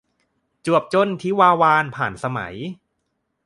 จวบจนทิวาวารผ่านสมัย